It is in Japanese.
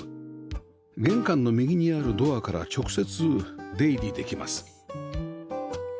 玄関の右にあるドアから直接出入りできます